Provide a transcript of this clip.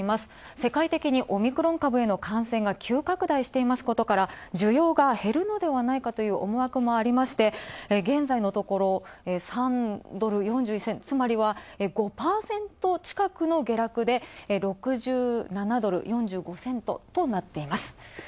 世界的にオミクロン株への感染が急拡大していますことから需要が減るのではないかとの思惑もありまして、現在のところ、３ドル４１銭と、つまりは、５％近くの下落で６７ドル４５セントとなっています。